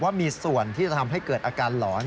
ว่ามีส่วนที่จะทำให้เกิดอาการหลอน